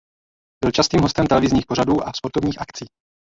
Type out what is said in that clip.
Byl častým hostem televizních pořadů a sportovních akcí.